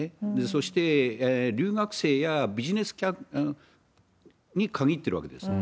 そして、留学生やビジネスに限ってるわけですね。